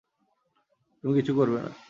তুমি কিছু করবে না।